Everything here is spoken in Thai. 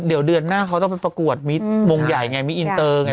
เดี๋ยวเดือนหน้าเขาต้องไปประกวดวงใหญ่ไงมิอินเตอร์ไง